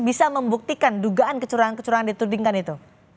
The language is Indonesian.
bisa membuktikan dugaan kecurangan kecurangan ditudingkan itu